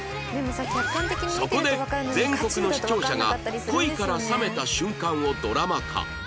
そこで全国の視聴者が恋から冷めた瞬間をドラマ化